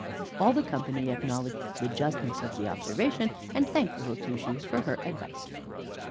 All the company acknowledged the justness of the observation, and thanked Little Two Shoes for her advice.